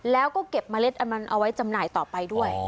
แล้วก็เก็บเมล็ดอันนั้นเอาไว้จำหน่ายต่อไปด้วย